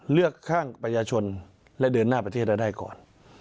เลือกข้างประชาชนและเดินหน้าประเทศให้ได้ก่อน